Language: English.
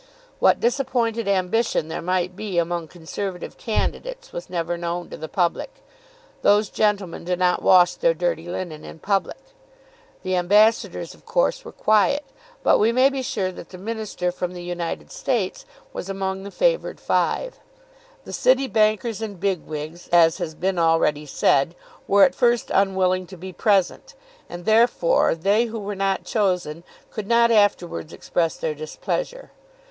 What disappointed ambition there might be among Conservative candidates was never known to the public. Those gentlemen do not wash their dirty linen in public. The ambassadors of course were quiet, but we may be sure that the Minister from the United States was among the favoured five. The city bankers and bigwigs, as has been already said, were at first unwilling to be present, and therefore they who were not chosen could not afterwards express their displeasure.